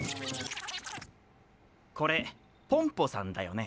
これポンポさんだよね？